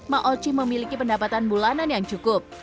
ma oci memiliki pendapatan bulanan yang cukup